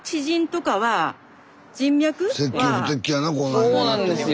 そうなんですよ。